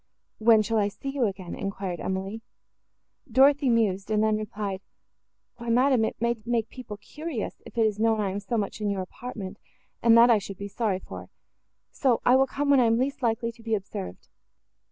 "When shall I see you again?" enquired Emily. Dorothée mused, and then replied, "Why, madam, it may make people curious, if it is known I am so much in your apartment, and that I should be sorry for; so I will come when I am least likely to be observed.